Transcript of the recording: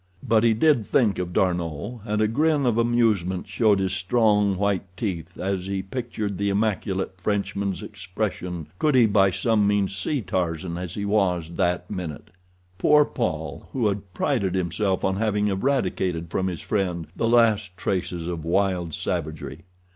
But he did think of D'Arnot, and a grin of amusement showed his strong white teeth as he pictured the immaculate Frenchman's expression could he by some means see Tarzan as he was that minute. Poor Paul, who had prided himself on having eradicated from his friend the last traces of wild savagery.